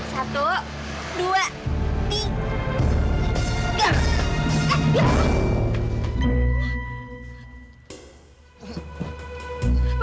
satu dua tiga